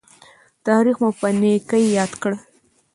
تاریخ مو په نیکۍ یاد کړي.